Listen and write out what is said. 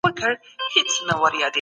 دوی بايد له روغتيايي خدمتونو برخمن سي.